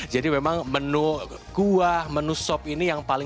jadi memang menu kuah menu sop ini yang paling